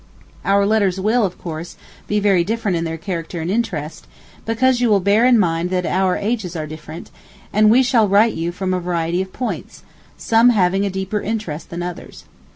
Our letters will, of course, be very different in their character and interest, because you will bear in mind that out ages are different; and we shall write you from a variety of points, some having a deeper interest than others.